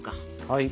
はい。